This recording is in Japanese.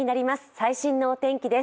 最新のお天気です。